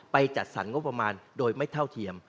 จัดสรรงบประมาณโดยไม่เท่าเทียม